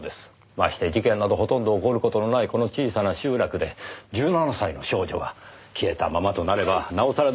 まして事件などほとんど起こる事のないこの小さな集落で１７歳の少女が消えたままとなればなおさらでしょう。